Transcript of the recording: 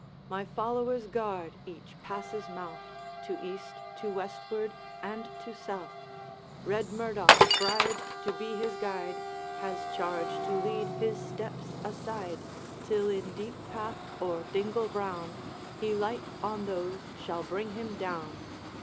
My followers guard each pass's mouth, To east, to westward, and to south; Red Murdoch, bribed to be his guide, Has charge to lead his steps aside, Till in deep path or dingle brown He light on those shall bring him clown.